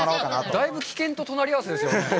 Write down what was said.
大分、危険と隣り合わせですよね。